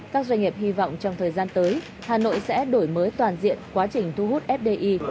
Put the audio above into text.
các doanh nghiệp hy vọng trong thời gian tới hà nội sẽ đổi mới toàn diện quá trình thu hút fdi